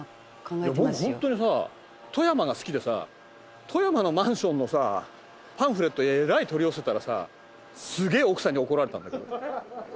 僕ホントにさ富山が好きでさ富山のマンションのパンフレットえらい取り寄せたらさすげえ奥さんに怒られたんだけど。